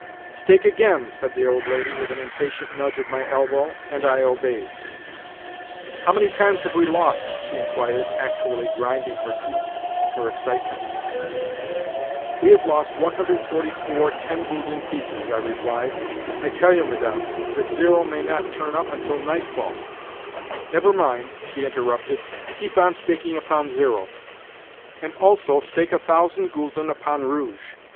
"Stake again," said the old lady with an impatient nudge of my elbow, and I obeyed. "How many times have we lost?" she inquired—actually grinding her teeth in her excitement. "We have lost 144 ten gülden pieces," I replied. "I tell you, Madame, that zero may not turn up until nightfall." "Never mind," she interrupted. "Keep on staking upon zero, and also stake a thousand gülden upon rouge.